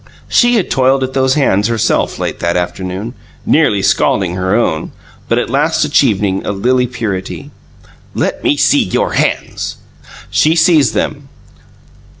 She had toiled at those hands herself late that afternoon, nearly scalding her own, but at last achieving a lily purity. "Let me see your hands!" She seized them.